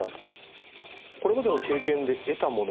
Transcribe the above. これまでの経験で得たもの